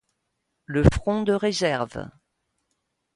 Le front de réserve.